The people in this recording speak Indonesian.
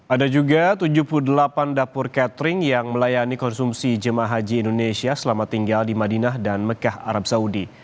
ada juga tujuh puluh delapan dapur catering yang melayani konsumsi jemaah haji indonesia selama tinggal di madinah dan mekah arab saudi